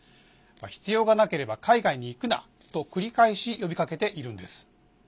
必要がなければ海外に行くなと繰り返し呼びかけているんです。